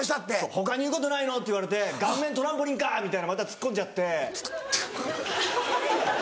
「他に言うことないの⁉」って言われて「顔面トランポリンか！」みたいなまたツッコんじゃって。